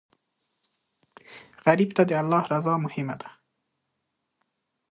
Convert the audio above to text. غریب ته د الله رضا مهمه ده